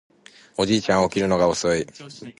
おじいちゃんは起きるのが遅い